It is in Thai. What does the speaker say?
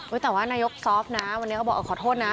แต่ว่านายกซอฟต์นะวันนี้เขาบอกขอโทษนะ